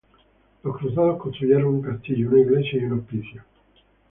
Los Cruzados construyeron un castillo, una iglesia y un hospicio allí.